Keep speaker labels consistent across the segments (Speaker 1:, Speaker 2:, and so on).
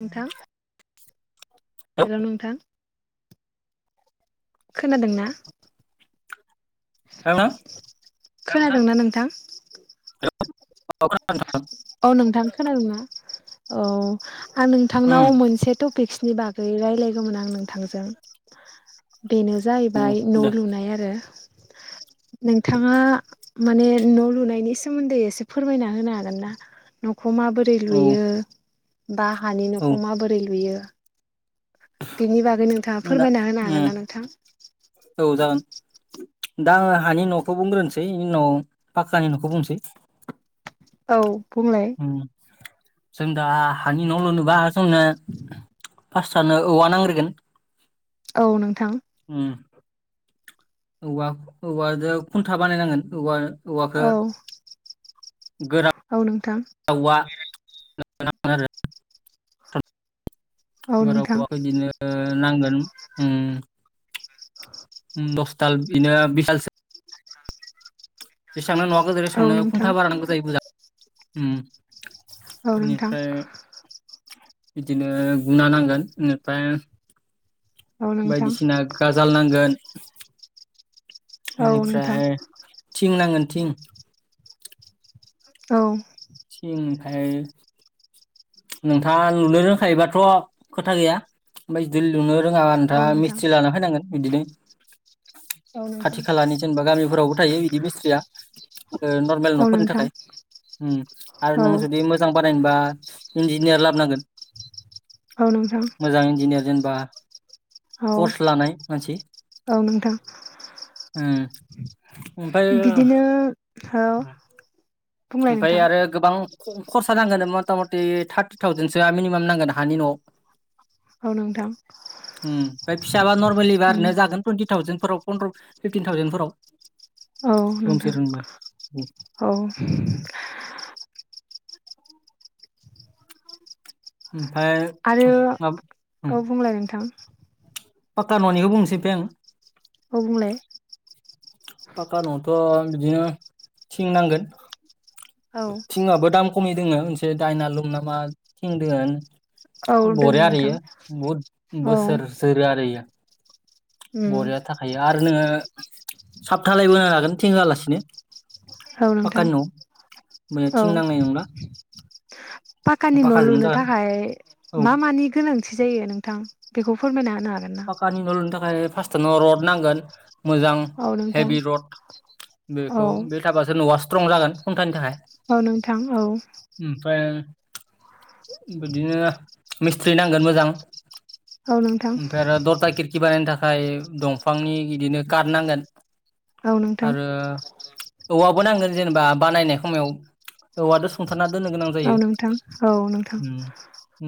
Speaker 1: नोंथां हेल' नोंथां खोनादोंना
Speaker 2: नोंथां
Speaker 1: खोनादोंना नोंथां
Speaker 2: [unintelligible]
Speaker 1: औ नोंथां खोनादोंङा औ आं
Speaker 2: उम
Speaker 1: नोंथांनाव मोनसेथ' पिक्सनि बागै रायज्लायगौमोन आं नोंथांजों बेनो जाहैबाय
Speaker 2: औ
Speaker 1: न'
Speaker 2: दे
Speaker 1: लुनाय आरो नोंथाङा माने न' लुनायनि सोमोन्दै एसे फोरमायना होनो हागोन ना न'खौ माबोरै
Speaker 2: औ
Speaker 1: लुयो बा हानि
Speaker 2: औ
Speaker 1: न'खौ माबोरै लुयो बेनि बागैनो नों
Speaker 2: औ नोंथां अम ओ जागोन दा आङो हानि न'खौ बुंग्रोनोसै बिनि उनाव फाखक्कानि न'खौ बुंनोसै
Speaker 1: औ बुंलाय
Speaker 2: अम जों दा हानि नलुनोबा जोंनो फास्टआनो औंवा नांग्रोगोन
Speaker 1: औ नोंथां
Speaker 2: अम औवा औजों खुन्था बानायनांगोन औवा हौवाखौ
Speaker 1: औ
Speaker 2: गोरान
Speaker 1: औ नोंथां
Speaker 2: औवा नांगोन
Speaker 1: औ नोंथां
Speaker 2: गोराआखौ बिदिनो नांगोन
Speaker 1: [inaudible]
Speaker 2: दसथाल बिनो बिसदालसो जेसेबांनो नवा गोदेर
Speaker 1: औ
Speaker 2: एसांनो
Speaker 1: नोंथां
Speaker 2: खुन्था बारांग गो जायो अम
Speaker 1: औ नोंथां
Speaker 2: बेनिफ्राय बिदिनो बुंना नांगोन बेनिफ्राय
Speaker 1: औ नोंथां
Speaker 2: बायदिसिना गाजाल नांगोन
Speaker 1: औ नोंथां
Speaker 2: बेनिफ्राय थिं नांगोन थिं
Speaker 1: औ
Speaker 2: थिं ओमफाय नोंथाङा लुनो रोंखायोबाथ' खोथा गैया ओमफ्राय जुदि लुनो रोङाबा
Speaker 1: औ
Speaker 2: नोंथाङा
Speaker 1: नोंथां
Speaker 2: मिस्ट्रि लाना फैनांगोन बिदिनो
Speaker 1: औ नोंथां
Speaker 2: खाथि खालानि जेनबा गामिफोरावबो थायो बिदि मिस्थ्रिया नर्मेल
Speaker 1: औ
Speaker 2: न'फोरनि
Speaker 1: नोंथां
Speaker 2: थाखाय आरो
Speaker 1: औ
Speaker 2: नों जुदि मोजां बानायनोबा इन्जिनियार लाबोनांगोन
Speaker 1: औ नोंथां
Speaker 2: मोजां इन्जिनियार जेनबा
Speaker 1: औ
Speaker 2: कर्स लानाय मानसि
Speaker 1: औ नोंथां
Speaker 2: उ ओमफाय
Speaker 1: बिदिनो औ बुंलाय
Speaker 2: ओमफाय
Speaker 1: नोंथां
Speaker 2: आरो गोबां खरसा नांगोन मथा मथि थार्टि थावजेनसोआ मिनिमाम नांगोन हानि न'आव
Speaker 1: [inaudible]
Speaker 2: उम [unintelligible] फिसाबा नर्मेलिबा ओरैनो
Speaker 1: उम
Speaker 2: जागोन तुइन्टि थावजेनफोराव पन्द्र फिफटिन थावजेनफोराव
Speaker 1: औ
Speaker 2: रुमसे
Speaker 1: नोंथां
Speaker 2: रुमबा
Speaker 1: औ
Speaker 2: [inaudible]
Speaker 1: आरो औ बुंलाय नोंथां
Speaker 2: पाक्का न'निखौ बुंनिसै ओमफाय आं
Speaker 1: औ बुंलाय
Speaker 2: फाका न'आवथ' बिदिनो थिं नांगोन
Speaker 1: औ
Speaker 2: थिंआबो दाम खमि दोङो मोनसे दायनालुम नामा थिं दोङो
Speaker 1: औ दों
Speaker 2: बरिया आरो
Speaker 1: नोंथां
Speaker 2: इयो बहुद
Speaker 1: औ
Speaker 2: बोसोर जोरो आरो इयो
Speaker 1: उम
Speaker 2: बरिया थाखायो आरो नोङो साप धालायबो होना लागोन थिं होआलासिनो
Speaker 1: औ नोंथां
Speaker 2: पाक्कानि न'आव
Speaker 1: औ
Speaker 2: थिं नांनाय नंला
Speaker 1: पाक्कानि न'
Speaker 2: पाक्काजोंनो
Speaker 1: लुनो
Speaker 2: जागोन
Speaker 1: थाखाय
Speaker 2: औ
Speaker 1: मा मानि गोनां थि जायो नोंथां बेखौ फोरमायना होनो हागोन
Speaker 2: पाक्कानि न' लुनो थाखाय फासटावनो रड नांगो‌न मोजां
Speaker 1: हागोन
Speaker 2: हेभि
Speaker 1: ना
Speaker 2: रड
Speaker 1: औ
Speaker 2: बेखौ बे थाबासो न'आ स्ट्रं जागोन खुन्थानि थाखाय
Speaker 1: औ नोंथां औ
Speaker 2: ओमफ्राय बिदिनो मिस्थ्रि नांगोन मोजां
Speaker 1: औ नों
Speaker 2: ओंखाम आर दरजा खिरखि बानायनो थाखाय दंफांनि इदिनो कात नांगोन
Speaker 1: औ नोंथां
Speaker 2: आरो औवाबो नांगोन जेनबा बानायनाय खमायाव औवादो सुंथाना दोननो गोनां जायो
Speaker 1: औ नोंथां औ नोंथां
Speaker 2: उ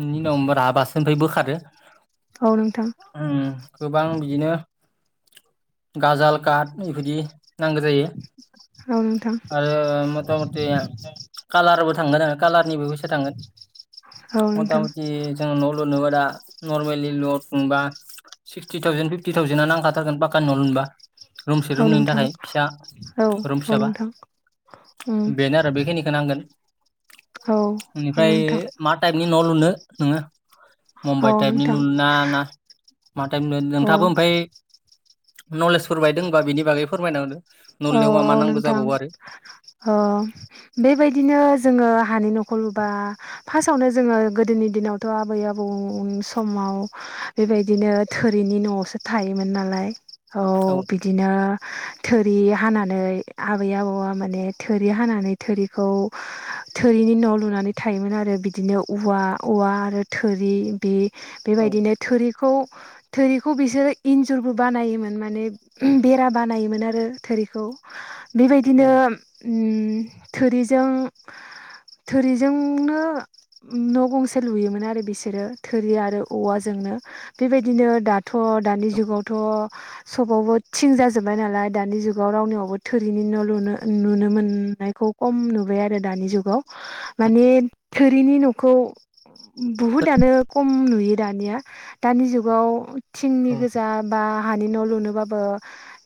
Speaker 2: इनि उनाव राबासो ओफाय बोखारो
Speaker 1: औ नोंथां
Speaker 2: उम गोबां बिदिनो गाजाल काट इफोदि नांगो जायो
Speaker 1: औ नोंथां
Speaker 2: आरो मथा मथि कालारबो थांगोन आरो कालारनिबो फैसा थांगोन
Speaker 1: औ
Speaker 2: मथा
Speaker 1: नोंथां
Speaker 2: मथि जों न' लुनोबा दा नरमेलि ल बा सिक्सटि थावजेन फिफटि थावजेनना नांखाथारगोन पाकानि न' लुनोबा रुमसे
Speaker 1: औ
Speaker 2: रुमनैनि
Speaker 1: नोंथां
Speaker 2: थाखाय फिसा
Speaker 1: औ
Speaker 2: रुम
Speaker 1: औ
Speaker 2: फिसाबा
Speaker 1: नोंथां उम
Speaker 2: बेनो आरो बेखिनिखो नांगोन
Speaker 1: औ औ
Speaker 2: बेनिफ्राय
Speaker 1: नोंथां
Speaker 2: माथ टाइपनि न' लुनो नोङो
Speaker 1: औ
Speaker 2: मुम्बाइ टाइपनि
Speaker 1: नोंथां
Speaker 2: लुनोना ना मा थाइप [unintelligible]
Speaker 1: औ
Speaker 2: नोंथाङाबो ओमफाय नलेजफोर बाय दोंबा बिनि बागै फोरमायना होदो न'
Speaker 1: औ
Speaker 2: लुनायाव मा
Speaker 1: अ
Speaker 2: मा नांगौ
Speaker 1: नोंथां
Speaker 2: जाबावो आरो
Speaker 1: अ बेबायदिनो जोङो हानि न'खौ लुबा फासावनो जोङो गोदोनि दिनावथ' आबै आबौ समाव बेबायदिनो थोरिनि न'आवसो थायोमोन नालाय औ बिदिनो थो रि हानानै आबै आबौआ माने थोरि हानानै थोरिखौ थोरिनि न' लुनानै थायोमोन आरो बिदिनो उवा औवा आरो थोरि बि
Speaker 2: औ
Speaker 1: बेबायदिनो थोरिखौ थोरिखौ बिसोरो इन्जुरबो बानायोमोन माने बेरा बानायोमोन आरो थोरिखौ बेबायदिनो
Speaker 2: औ
Speaker 1: उम थोरिजों थोरिजोंनो न गंसे लुयोमोन आरो बिसोरो थोरि आरो औवाजोंनो बेबायदिनो दाथ दानि जुगावथ सबावबो थिं जाजोब्बाय नालाय दानि जु गाव रावनियावबो थोरिनि न लुनो नुनो मोननायखौ खम नुबाय आरो दानि जुगाव माने थोरिनि नखौ बुहुदनो खम नुयो दानिया दानि जुगाव थिंनि
Speaker 2: औ
Speaker 1: गोजा बा हानि न लुनोबाबो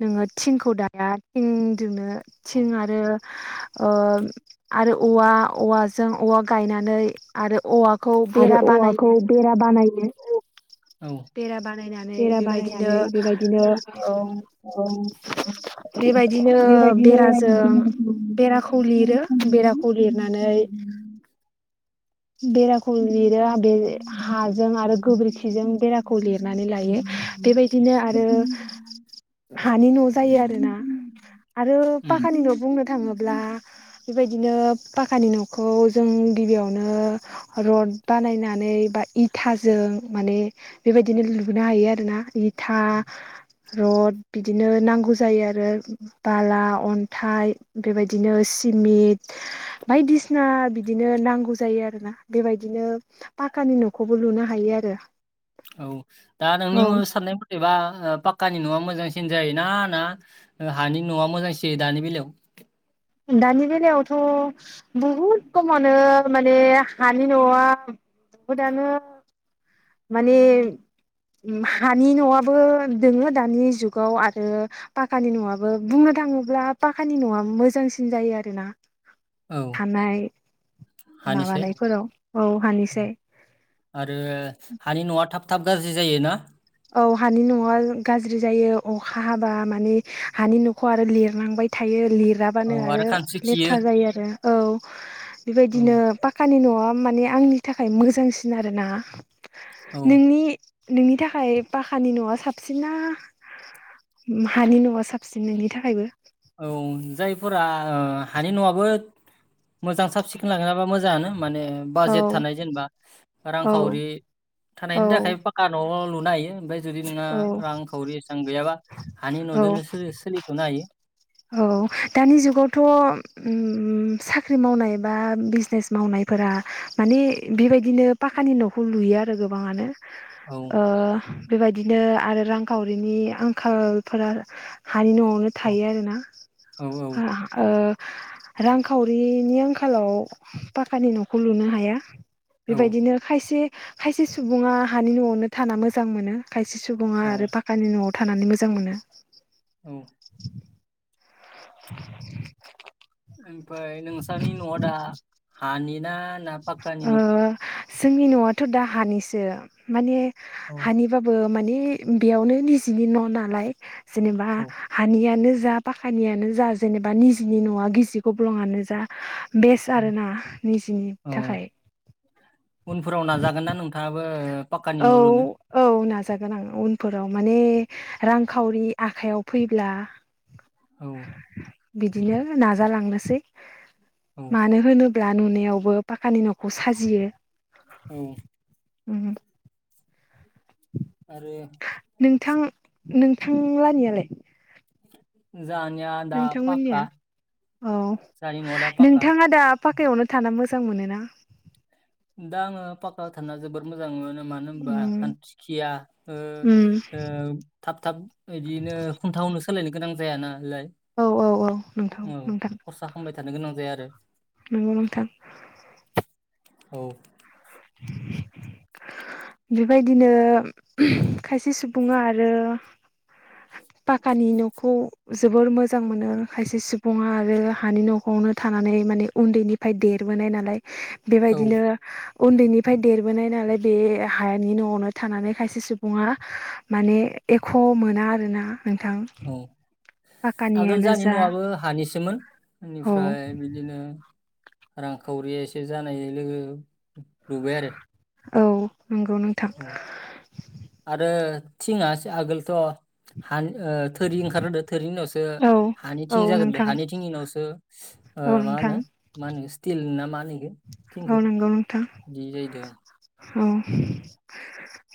Speaker 1: नोङो थिंखौ दाना थिंजोंनो
Speaker 2: औ
Speaker 1: थिं आरो ओ आरो औवा औवाजों औवा गायनानै आरो औवा खौ बेरा बानायो।
Speaker 2: बानायनो
Speaker 1: बेरा बानायनानै बेबायदिनो
Speaker 2: बानायनानै बेबायदिनो
Speaker 1: ओम बेबायदिनो
Speaker 2: बेबायदिनो
Speaker 1: बेराजों
Speaker 2: बेरायखौ
Speaker 1: बेराखौ लिरो बेराखौ लिरनानै बेराखौ लिरो बे हाजों आरो गोबोरखिजों बेराखौ लिरनानै लायो बेबायदिनो आरो हानि न जायो आरोना आरो पाखानि
Speaker 2: उम
Speaker 1: न बुंनो थाङोब्ला बेबायदिनो पाखानि नखौ जों गिबियावनो रड बानायनानै बा इथाजों माने बेबायदिनो लुनो हायो आरोना इथा रड बिदिनो नांगौ जायो आरो बाला अन्थाइ बेबायदिनो सिमेन्ट बायदिसिना बिदिनो नांगौ जायो आरोना बेबायदिनो पाकानि न'खौबो लुनो हायो आरो
Speaker 2: औ दा नोंनि
Speaker 1: औ
Speaker 2: साननायफो एबा पाक्कानि नआ मोजांसिन जायो ना ना हानि नआ मोजांसिन जायो दानि बेलायाव
Speaker 1: दानि बेलायावथ बहुद खमावनो माने हानि न आ बुहुदानो माने हानि नआबो दोङो दानि जुगाव आरो पाक्कानि नआआबो बुंनो थाङोब्ला पाकानि नआ मोजांसिन जायो आरोना
Speaker 2: औ
Speaker 1: थानाय
Speaker 2: हानिसाय
Speaker 1: माबानायफोराव औ हानिसाय
Speaker 2: आरो हानि नआ थाब थाब गाज्रि जायो ना
Speaker 1: औ हानि नआ गाज्रि जायो अखा हाब्ला माने हानि नखौ आरो लिरनांबाय थायो
Speaker 2: औ
Speaker 1: लिराबानो आरो
Speaker 2: खानस्रि खियो
Speaker 1: लेथ्रा जायो आरो औ
Speaker 2: औ
Speaker 1: बेबायदिनो पाक खानि नआ माने आंनि थाखाय मोजांसिन आरो ना।
Speaker 2: औ
Speaker 1: नोंनि नोंनि थाखाय खाय पाक्कानि नआ साबसिन ना हानि नआ साबसिन नोंनि थाखायबो?
Speaker 2: औ जायफोरा ओ हानि नआबो मोजां साब सिखोन लाखिनो हाबा मोजाङानो माने
Speaker 1: औ
Speaker 2: बाजेट थानाय जेनेबा
Speaker 1: औ
Speaker 2: रांखावरि
Speaker 1: औ
Speaker 2: थानायनि थाखाय पाका न लुनो हायो ओमफ्राय जुदि नोंना
Speaker 1: औ
Speaker 2: रांखावरि एसेबां गैयाबा हानि
Speaker 1: औ
Speaker 2: नजोंनो सोलि सोलिथनो हायो।
Speaker 1: औ दानि जुगावथ उम साख्रि मावनाय बा बिजनेस मावनायफोरा माने बेबायदिनो पाखानि नखौ लुयो आरो गोबाङानो
Speaker 2: औ
Speaker 1: ओ बेबायदिनो आरो रांखावरिनि आंखालफोरा हानि न'आवनो थायो आरोना
Speaker 2: औ-औ
Speaker 1: ओ रांखावरिनि आंखालाव पाखानि न'खौ लुनो हाया
Speaker 2: औ
Speaker 1: बेबायदिनो खायसे खायसे सुबुङा हानि न'आवनो थाना मोजां मोनो खायसे सुबुङा
Speaker 2: औ
Speaker 1: आरो फाकानि न'आव थानानै मोजां मोनो
Speaker 2: औ
Speaker 1: [inaudible]
Speaker 2: ओमफ्राय नोंसोरनि न' दा हानि ना पाक्कानि
Speaker 1: ओ
Speaker 2: न'
Speaker 1: जोंनि न'आथ' दा हानिसो माने
Speaker 2: औ
Speaker 1: हानि बाबो माने बेयावनो निजेनि न' नालाय जेनेबा
Speaker 2: औ
Speaker 1: हानियानो जा पाकानियानो जा जेनेबा निजिनि नङा गिजि गब्लंआनो जा बेस्ट आरोना निजेनि
Speaker 2: औ
Speaker 1: थाखाय
Speaker 2: उनफोराव नाजागोन ना नोंथाङाबो पाक्कानि
Speaker 1: औ
Speaker 2: न' लुनो
Speaker 1: औ नाजागोन आं उनफोराव माने रांखावरि आखायाव फैब्ला
Speaker 2: औ
Speaker 1: बिदिनो नाजालांनोसै
Speaker 2: औ
Speaker 1: मानो होनो ब्ला नुनायावबो पाकानि न'खौ साजियो
Speaker 2: औ
Speaker 1: [inaudible]
Speaker 2: आरो
Speaker 1: नोंथां नोंथांलानियालाय
Speaker 2: जानिया
Speaker 1: नोंथांमोननिया औ
Speaker 2: जोंहानि न'आ दा पाक्का
Speaker 1: नोंथाङा दा पाकायावनो थाना मोजां मोनोना
Speaker 2: दां पाका जोबोर मोजां मोनो मानो होनबा
Speaker 1: उम
Speaker 2: खानस्रि खिया
Speaker 1: उम
Speaker 2: ओ-ओ थाब थाब बिदिनो खुन्था उनो सोलायनो गोनां जाया नालाय
Speaker 1: औ औ औ नोंथां
Speaker 2: औ
Speaker 1: नोंथां
Speaker 2: खरसा खालामबाय थानो गोनां जाया आरो
Speaker 1: नोंगौ नोंथां
Speaker 2: औ
Speaker 1: [inaudible] बेबायदिनो खायसे सुबुङा आरो पाक्कानि न'खौ जोबोर मोजां मोनो खायसे सुबुङा आरो हानि न'आवनो थानानै माने उन्दैनिफ्राय देरबोनाय नालाय
Speaker 2: औ
Speaker 1: बेबायदिनो उन्दैनिफ्राय देरबोनाय नालाय बे हायानि न'आवनो थानानै खायसे सुबुङा माने एख' मोना आरोना नोंथां
Speaker 2: औ आगोल
Speaker 1: पाकानियानो
Speaker 2: जानि
Speaker 1: जा
Speaker 2: न'आबो हानिसोमोन
Speaker 1: औ
Speaker 2: बेनिफ्राय बिदिनो एसे जानाय लोगो लुबाय आरो
Speaker 1: औ नंगौ नों
Speaker 2: [inaudible] आरो थिङास आगोलथ' हानि थोरि ओंखारग्रोदो थोरिनि उनावसो
Speaker 1: औ
Speaker 2: हानि
Speaker 1: औ
Speaker 2: थिं जाग्रोदो
Speaker 1: नोंथां
Speaker 2: हानि थिंनि उनावसो
Speaker 1: औ
Speaker 2: मा
Speaker 1: नोंथां
Speaker 2: होनो मा होनो स्टिल ना मा होन इखो
Speaker 1: औ
Speaker 2: थिंखो
Speaker 1: नंगौ नोंथां
Speaker 2: बिदि जाहैदों
Speaker 1: औ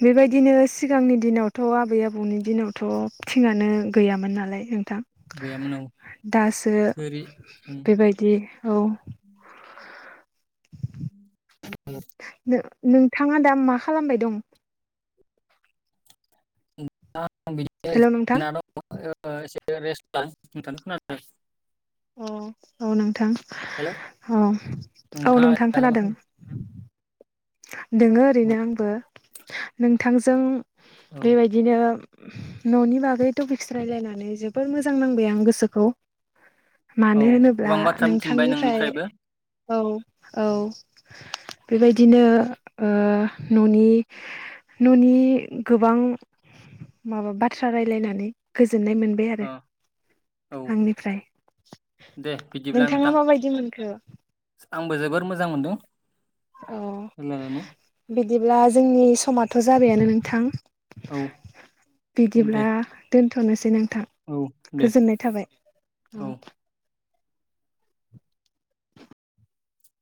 Speaker 1: बेबायदिनो सिगांनि दिनावथ' आबै आबौनि दिनावथ' थिंङानो गैयामोन नालाय नोंथां
Speaker 2: गैयामोन औ
Speaker 1: दासो
Speaker 2: थोरि उम।
Speaker 1: बेबायदि औ
Speaker 2: [unintelligible]
Speaker 1: नोंथाङा दा मा खालामबाय दं?
Speaker 2: आं बिदिनो
Speaker 1: हेल' नोंथां
Speaker 2: ज द एसे रेस्ट लानोथानो खोनादों [unintelligible]
Speaker 1: औ औ नोंथां
Speaker 2: हेलौ
Speaker 1: औ औ
Speaker 2: नोंथाङा
Speaker 1: नोंथां
Speaker 2: दालाय मा
Speaker 1: खोनादों। दोंङो ओरैनो
Speaker 2: खालामदों
Speaker 1: आंबो नोंथांजों
Speaker 2: औ
Speaker 1: बेबाय बिदिनो न'नि बागै टपिक्स रायज्लायनानै जोबोर मोजां नांबाय आं गोसोखौ।
Speaker 2: औ औ
Speaker 1: मानो होनोब्ला
Speaker 2: गोबां बाथ्रा मिथिबाय
Speaker 1: नोंथांनिफ्राय
Speaker 2: नोंनिफ्रायबो
Speaker 1: औ औ बेबायदि बिदिनो ओ न'नि न'नि गोबां माबा बाथ्रा रायलायनानै गोजोननाय मोन बाय आरो
Speaker 2: अ औ
Speaker 1: आंनिफ्राय
Speaker 2: दे बिदिब्ला नोंथां
Speaker 1: नोंथांङा माबायदि मोनखो?
Speaker 2: आंबो जोबोर मोजां मोनदों।
Speaker 1: औ
Speaker 2: रायलायनानै
Speaker 1: बिदिब्ला जोंनि समाथ' जाबायानो नोंथां
Speaker 2: औ दे
Speaker 1: बिदिब्ला दोनथ'नोसै नोंथां
Speaker 2: औ दे
Speaker 1: गोजोननाय थाबाय औ